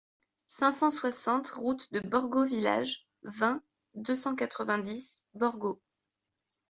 cinq cent soixante route de Borgo Village, vingt, deux cent quatre-vingt-dix, Borgo